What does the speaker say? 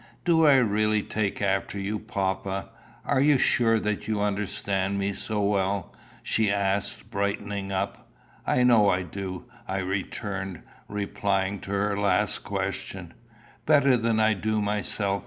"Do I really take after you, papa? Are you sure that you understand me so well?" she asked, brightening up. "I know I do," I returned, replying to her last question. "Better than I do myself?"